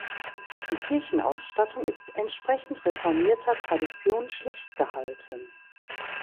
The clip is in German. Die Kirchenausstattung ist entsprechend reformierter Tradition schlicht gehalten.